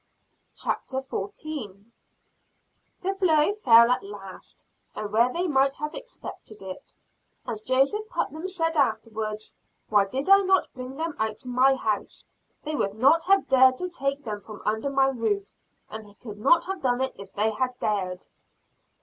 CHAPTER XIV. Bad News. The blow fell at last, and where they might have expected it. As Joseph Putnam said afterwards, "Why did I not bring them out to my house? They would not have dared to take them from under my roof, and they could not have done it if they had dared."